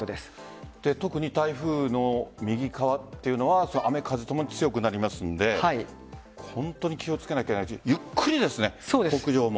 特に台風の右側は雨、風ともに強くなりますので本当に気をつけないとゆっくりですね、北上も。